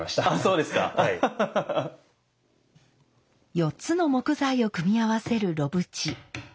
４つの木材を組み合わせる炉縁。